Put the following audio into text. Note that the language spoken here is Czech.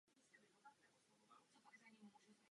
To se týkalo především využití krajiny jako dramatického prvku.